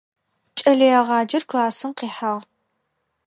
Кӏэлэегъаджэр классым къихьагъ.